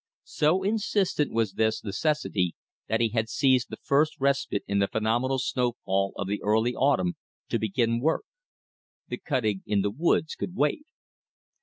So insistent was this necessity that he had seized the first respite in the phenomenal snow fall of the early autumn to begin work. The cutting in the woods could wait.